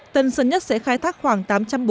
tân sơn nhất sẽ khai thác khoảng